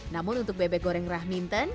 namun untuk bebek goreng rahminton